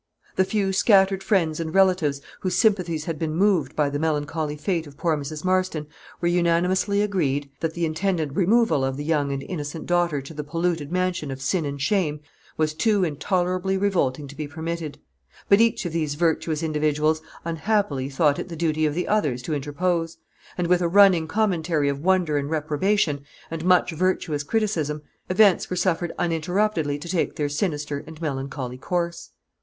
The few scattered friends and relatives, whose sympathies had been moved by the melancholy fate of poor Mrs. Marston, were unanimously agreed that the intended removal of the young and innocent daughter to the polluted mansion of sin and shame, was too intolerably revolting to be permitted. But each of these virtuous individuals unhappily thought it the duty of the others to interpose; and with a running commentary of wonder and reprobation, and much virtuous criticism, events were suffered uninterruptedly to take their sinister and melancholy course.